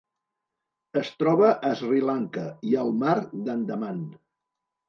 Es troba a Sri Lanka i al Mar d'Andaman.